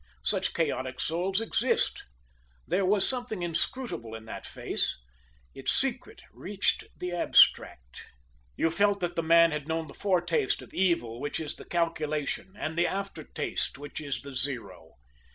Such chaotic souls exist. There was something inscrutable in that face. Its secret reached the abstract. You felt that the man had known the foretaste of evil which is the calculation, and the after taste which is the zero.